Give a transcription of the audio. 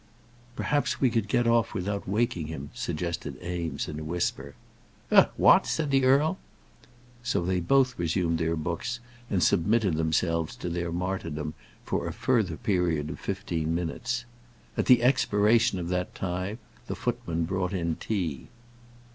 "Perhaps we could get off without waking him," suggested Eames, in a whisper. "Eh; what?" said the earl. So they both resumed their books, and submitted themselves to their martyrdom for a further period of fifteen minutes. At the expiration of that time, the footman brought in tea.